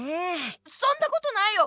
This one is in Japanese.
そんなことないよ